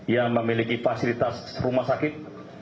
yang memiliki fasilitas rumah sakit